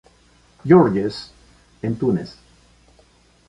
George's, en Túnez.